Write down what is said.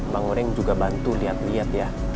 bang ureng juga bantu lihat lihat ya